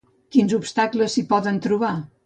Quins obstacles s'hi poden trobar?